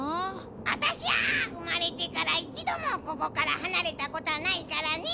あたしゃうまれてからいちどもここからはなれたことはないからね。